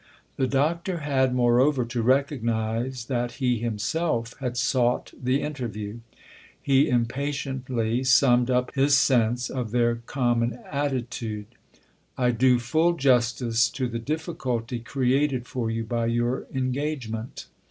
The Doctor had moreover to recognise that he himself had sought the interview. He impa tiently summed up his sense of their common attitude. " I do full justice to the difficulty created for you by your engagement.